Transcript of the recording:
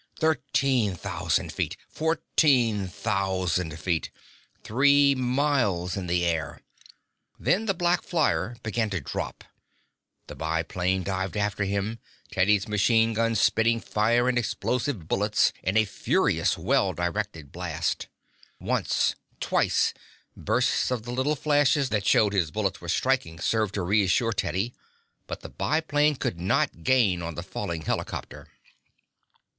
Thirteen thousand feet. Fourteen thousand feet. Three miles in the air! Then the black flyer began to drop. The biplane dived after him, Teddy's machine gun spitting fire and explosive bullets in a furious, well directed blast. Once, twice, bursts of the little flashes that showed his bullets were striking served to reassure Teddy, but the biplane could not gain on the falling helicopter.